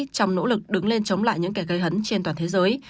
trong nỗ lực đứng lên chống lại những kẻ gây hấn trên toàn thế giới